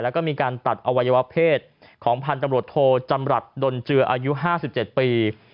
แล้วก็มีการตัดอวัยวะเพศของพันธุ์ตำรวจโทจำรัฐดนเจืออายุ๕๗ปี